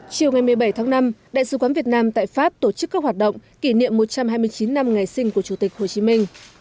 chiều ngày một mươi bảy tháng năm đại sứ quán việt nam tại pháp tổ chức các hoạt động kỷ niệm một trăm hai mươi chín năm ngày sinh của chủ tịch hồ chí minh